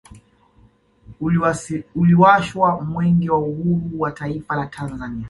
Uliwashwa mwenge wa uhuru wa taifa la Tanzania